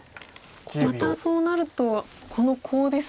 またそうなるとこのコウですか。